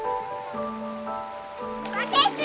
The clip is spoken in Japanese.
バケツ！